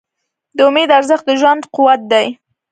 د امید ارزښت د ژوند قوت دی.